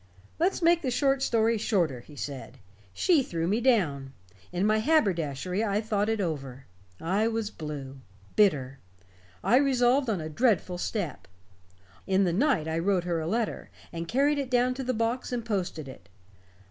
"Let's make the short story shorter," he said. "She threw me down. In my haberdashery I thought it over. I was blue, bitter. I resolved on a dreadful step. In the night I wrote her a letter, and carried it down to the box and posted it.